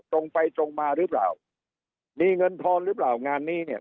ตรงไปตรงมาหรือเปล่ามีเงินทอนหรือเปล่างานนี้เนี่ย